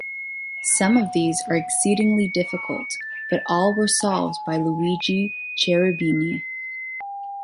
Some of these are exceedingly difficult, but all were solved by Luigi Cherubini.